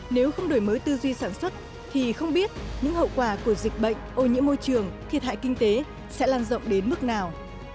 nếu không đổi mới tư duy sản xuất thì không biết những hậu quả của dịch bệnh ô nhiễm môi trường thiệt hại kinh tế sẽ lan rộng đến mức nào